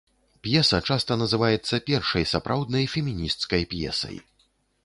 П'еса часта называецца першай сапраўднай фемінісцкай п'есай.